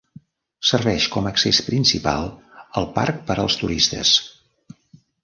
Serveix com a accés principal al parc per als turistes.